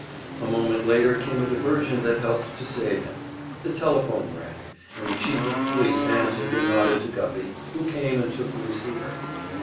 A moment later came a diversion that helped to save him. The telephone rang, and the Chief of Police answered and nodded to Guffey, who came and took the receiver.